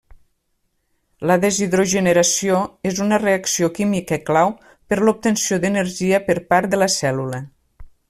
La deshidrogenació és una reacció química clau per l'obtenció d'energia per part de la cèl·lula.